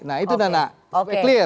nah itu udah nak